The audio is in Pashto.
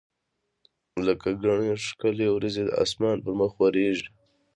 لکه ګڼي ښکلي وریځي د اسمان پر مخ ورکیږي